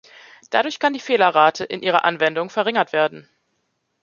Dadurch kann die Fehlerrate in ihrer Anwendung verringert werden.